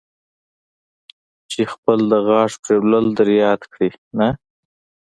چې خپل د غاښ پرېولل در یاد کړي، نه.